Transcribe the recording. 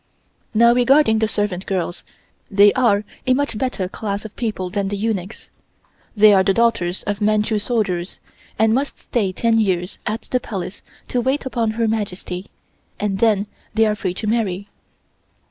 Now regarding the servant girls, they are a much better class of people than the eunuchs. They are the daughters of Manchu soldiers, and must stay ten years at the Palace to wait upon Her Majesty, and then they are free to marry.